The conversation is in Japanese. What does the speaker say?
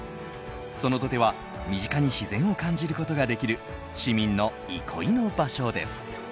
その土手は身近に自然を感じることができる市民の憩いの場所です。